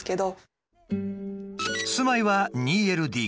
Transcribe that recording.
住まいは２ＬＤＫ。